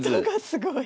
すごい。